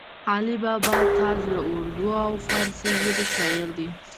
علي بابا تاج د اردو او فارسي ژبو شاعر دی